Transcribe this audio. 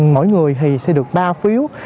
mỗi người sẽ được ba phiếu